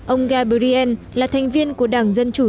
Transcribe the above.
ông gabriel là thành viên của đảng dân chủ